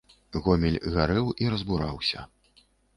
Гомель гарэў і разбураўся.